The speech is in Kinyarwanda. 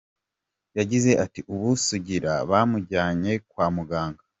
Yagize ati “Ubu Sugira bamujyanye kwa muganga.